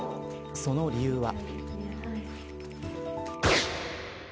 その理由は。